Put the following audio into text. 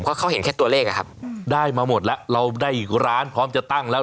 เพราะเขาเห็นแค่ตัวเลขอะครับได้มาหมดแล้วเราได้อีกร้านพร้อมจะตั้งแล้ว